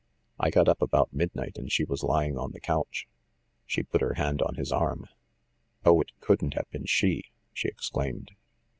"I got up about midnight, and she was lying on the couch." She put her hand on his arm. "Oh, it couldn't have been she!" she exclaimed.